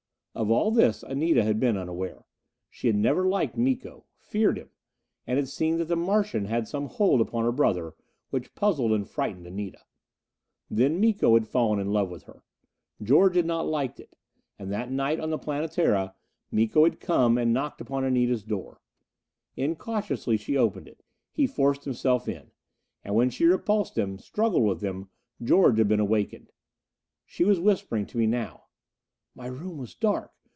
Of all this, Anita had been unaware. She had never liked Miko. Feared him. And it seemed that the Martian had some hold upon her brother, which puzzled and frightened Anita. Then Miko had fallen in love with her. George had not liked it. And that night on the Planetara, Miko had come and knocked upon Anita's door. Incautiously she opened it; he forced himself in. And when she repulsed him, struggled with him, George had been awakened. She was whispering to me now. "My room was dark.